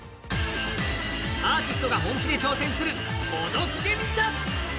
アーティストが本気で挑戦する踊ってみた！